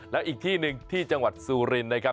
แล้วอีกที่หนึ่งที่จังหวัดสุรินนะครับ